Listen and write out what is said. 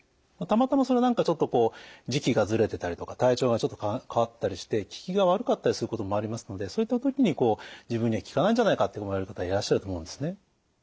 たまたま何かちょっとこう時期がずれてたりとか体調がちょっと変わってたりして効きが悪かったりすることもありますのでそういった時にこう自分には効かないんじゃないかって思われる方いらっしゃると思うんですね。